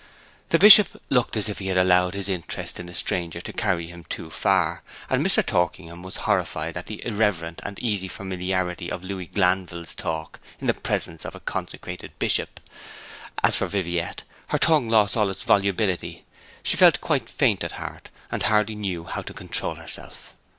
The Bishop looked as if he had allowed his interest in a stranger to carry him too far, and Mr. Torkingham was horrified at the irreverent and easy familiarity of Louis Glanville's talk in the presence of a consecrated bishop. As for Viviette, her tongue lost all its volubility. She felt quite faint at heart, and hardly knew how to control herself.